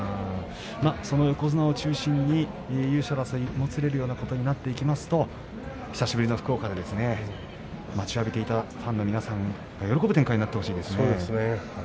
その横綱を中心に優勝争いもつれるようなことになっていくと久しぶりの福岡で待ちわびていたファンの皆さんが喜ぶ展開になってほしいですね。